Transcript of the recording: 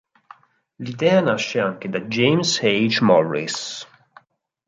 L'idea nasce anche da James H. Morris.